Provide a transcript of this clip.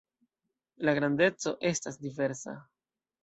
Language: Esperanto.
La grandeco estas diversa.